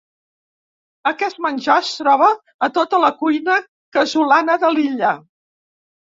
Aquest menjar es troba a tota la cuina casolana de l'illa.